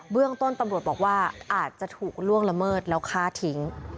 เรื่องต้นตำรวจบอกว่าอาจจะถูกล่วงละเมิดแล้วฆ่าทิ้ง